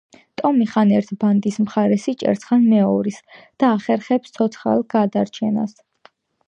ტომი ხან ერთი ბანდის მხარეს იჭერს, ხან მეორის და ახერხებს, ცოცხალი გადარჩეს.